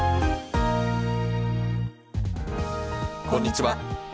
こんにちは。